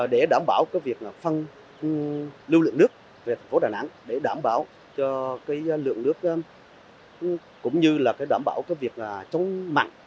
để đảm bảo phân lưu lượng nước về tp đà nẵng đảm bảo lượng nước cũng như đảm bảo việc chống mặn